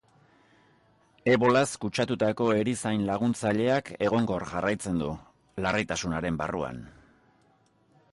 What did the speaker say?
Ebolaz kutsatutako erizain laguntzaileak egonkor jarraitzen du, larritasunaren barruan.